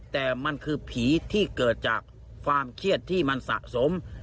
แต่มันคือผีที่เกิดจากความเครียดที่มันสะสม